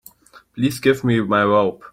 Please give me my robe.